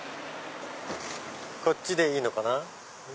こっちでいいのかな。